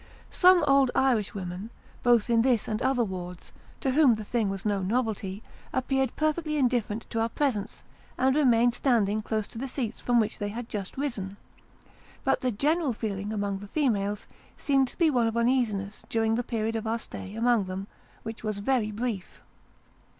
Some old Irishwomen, both in this and other wards, to whom the thing was no novelty, appeared perfectly indifferent to our presence, and remained standing close to the seats from which they had just risen ; but the general feeling among the females seemed to be one of uneasiness during the period of our stay among them : which was very brief.